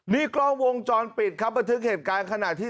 นี่กล้องวงจรปิดครับบันทึกเหตุการณ์ขณะที่